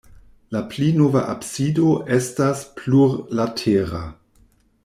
La pli nova absido estas plurlatera.